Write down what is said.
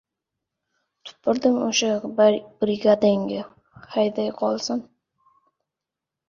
Tupurdim o‘sha brigadirligiga! Hayday qolsin.